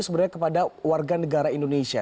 sebenarnya kepada warga negara indonesia